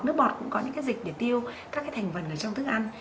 nước bọt cũng có những cái dịch để tiêu các cái thành phần ở trong thức ăn